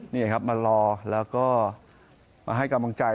นี่ครับมารอแล้วก็มาให้กำลังใจ